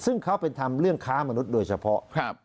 ซึ่งเขาเป็นทำเรื่องค้ามนุษย์โดยเฉพาะ